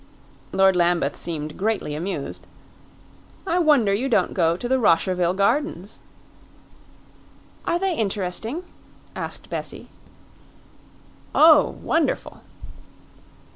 Lord Lambeth seemed greatly amused. "I wonder you don't go to the Rosherville Gardens." "Are they interesting?" asked Bessie. "Oh, wonderful."